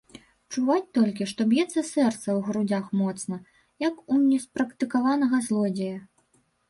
Чуваць толькі, што б'ецца сэрца ў грудзях моцна, як у неспрактыкаванага злодзея.